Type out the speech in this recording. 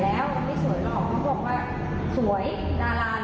อ๋อแล้วเขายอมอันนั้นเราไม่ถามว่า